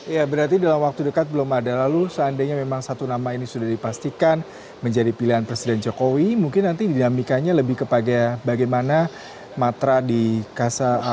ya berarti dalam waktu dekat belum ada lalu seandainya memang satu nama ini sudah dipastikan menjadi pilihan presiden jokowi mungkin nanti dinamikanya lebih kepada bagaimana matra di kasasi